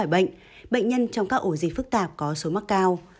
bệnh bệnh nhân trong các ổ dịch phức tạp có số mắc cao